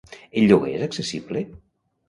El lloguer és accessible?